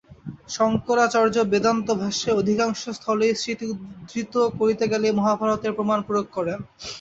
শঙ্করাচার্য বেদান্তভাষ্যে অধিকাংশ স্থলেই স্মৃতি উদ্ধৃত করিতে গেলেই মহাভারতের প্রমাণ প্রয়োগ করেন।